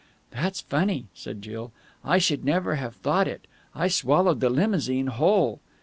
"That's funny," said Jill. "I should never have thought it. I swallowed the limousine whole."